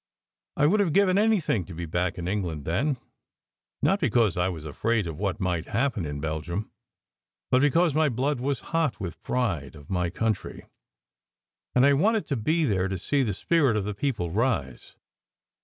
I would have given anything to be back in England then, not because I was afraid of what might happen in Belgium, but because my blood was hot with pride of my country, and I wanted to be there to see the spirit of the people rise.